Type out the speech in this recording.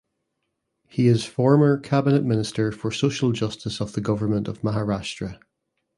He is former cabinet minister for Social Justice of the Government of Maharashtra.